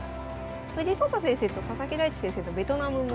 藤井聡太先生と佐々木大地先生のベトナムも。